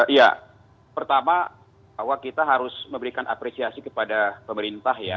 ya pertama bahwa kita harus memberikan apresiasi kepada pemerintah ya